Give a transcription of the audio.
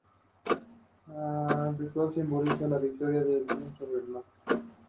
El siguiente diagrama muestra a las localidades en un radio de de Shannon.